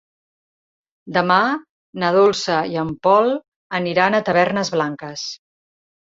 Demà na Dolça i en Pol aniran a Tavernes Blanques.